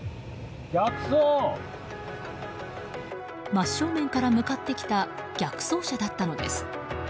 真っ正面から向かってきた逆走車だったのです。